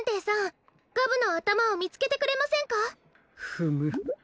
フム。